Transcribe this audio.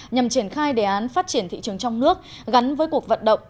nhằm triển khai đề án phát triển thị trường trong nước gắn với cuộc vận động